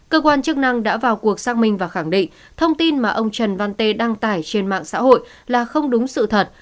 cơ quan chức năng đã vào cuộc xác minh và khẳng định thông tin mà ông trần văn tê đăng tải trên mạng xã hội là không đúng sự thật